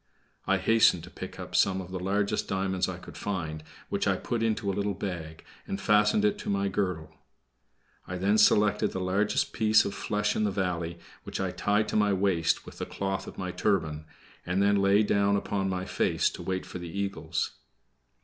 I hastened to pick up some of the largest diamonds I could find, which I put into a little bag, and fastened it to my girdle. I then selected the largest piece of flesh in the valley, which I tied to my waist with the cloth of my turban, and then lay down upon my face to wait for the eagles.